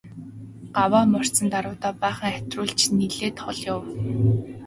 Гаваа мордсон даруйдаа баахан хатируулж нэлээд хол явав.